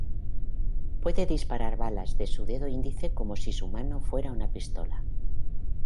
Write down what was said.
Puede disparar balas de su dedo índice como si su mano fuera una pistola.